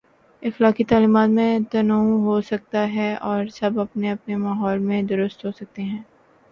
اخلاقی تعلیمات میں تنوع ہو سکتا ہے اور سب اپنے اپنے ماحول میں درست ہو سکتے ہیں۔